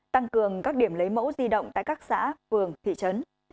tăng cường các điểm lấy mẫu di động tại các xã phường thị trấn